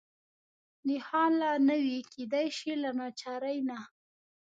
نښان لا نه وي، کېدای شي له ناچارۍ نه.